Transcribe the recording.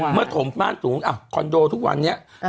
ถมบ้านสูงคอนโดทุกวันนี้